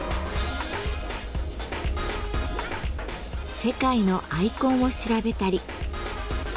世界のアイコンを調べたり。